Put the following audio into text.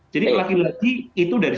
lagi lagi itu dari